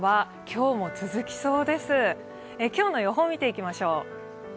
今日の予報を見ていきましょう。